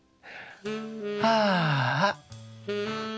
ああ。